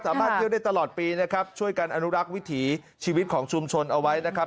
เที่ยวได้ตลอดปีนะครับช่วยกันอนุรักษ์วิถีชีวิตของชุมชนเอาไว้นะครับ